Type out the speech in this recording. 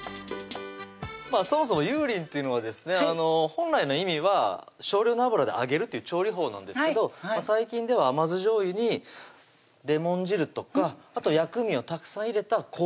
そもそも「油淋」というのはですね本来の意味は少量の油で揚げるという調理法なんですけど最近では甘酢じょうゆにレモン汁とかあと薬味をたくさん入れた香味